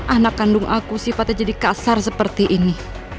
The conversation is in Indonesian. anak kandung aku sifatnya jadi kasar seperti ini